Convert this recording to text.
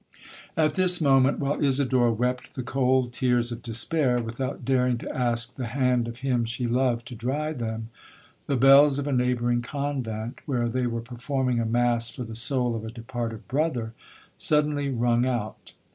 'At this moment, while Isidora wept the cold tears of despair, without daring to ask the hand of him she loved to dry them, the bells of a neighbouring convent, where they were performing a mass for the soul of a departed brother, suddenly rung out.